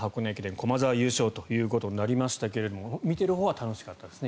駒澤優勝となりましたが見てるほうは楽しかったですね。